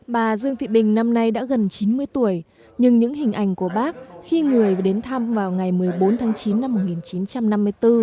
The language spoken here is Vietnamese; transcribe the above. bà dương thị bình năm nay đã gần chín mươi tuổi nhưng những hình ảnh của bác khi người đến thăm vào ngày một mươi bốn tháng chín năm một nghìn chín trăm năm mươi bốn